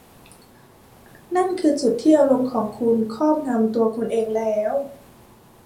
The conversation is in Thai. นั่นคือจุดที่อารมณ์ของคุณครอบงำตัวคุณเองแล้ว